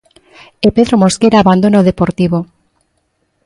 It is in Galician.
E Pedro Mosquera abandona o Deportivo.